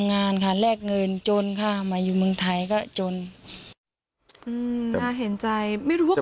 คุณแม่ขูดอยู่คนเดียวแต่ว่าไม่ได้มองอันไหนค่ะ